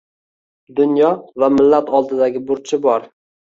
Dunyo va millat oldidagi burchi bor.